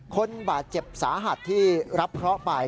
คนบาดเจ็บสาหัสที่รับเคราะห์ไป